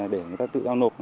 để người ta tự giao nộp